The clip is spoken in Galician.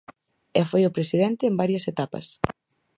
E foi o presidente en varias etapas.